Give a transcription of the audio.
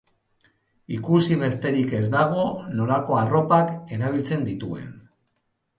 Ikusi besterik ez dago nolako arropak erabiltzen dituen.